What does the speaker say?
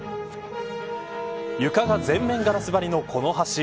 床が全面ガラス張りのこの橋。